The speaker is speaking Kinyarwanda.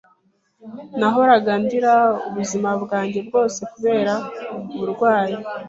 nahoraga ndira ubuzima bwanjye bwose kubera uburwayi